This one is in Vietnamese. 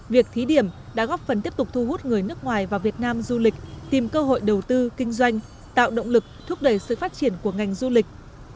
việc thí điểm đã góp phần tiếp tục thu hút người nước ngoài vào việt nam du lịch tìm cơ hội đầu tư kinh doanh tạo động lực thúc đẩy sự phát triển của ngành du lịch